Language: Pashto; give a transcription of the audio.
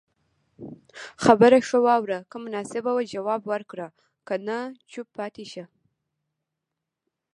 خبره خه واوره که مناسبه وه جواب ورکړه که نه چوپ پاتي شته